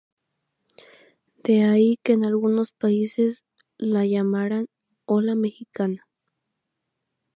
De ahí que en algunos países la llamaran "ola mexicana".